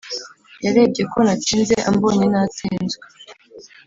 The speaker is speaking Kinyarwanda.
yarebye ko natsinze, ambonye natsinzwe.